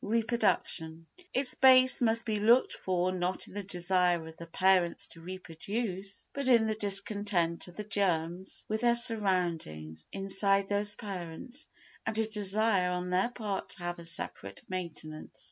Reproduction Its base must be looked for not in the desire of the parents to reproduce but in the discontent of the germs with their surroundings inside those parents, and a desire on their part to have a separate maintenance.